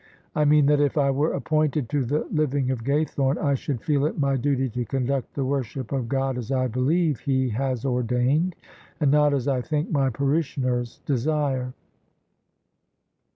I mean that if I were appointed to the living of Gaythome, I should feel it my duty to conduct the worship of God as I believe He has ordained, and not as I think my parishioners desire.